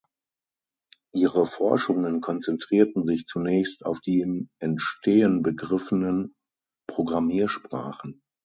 Ihre Forschungen konzentrierten sich zunächst auf die im Entstehen begriffenen Programmiersprachen.